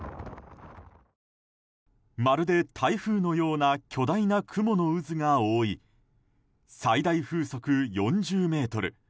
まるで台風のような巨大な雲の渦が覆い最大風速４０メートル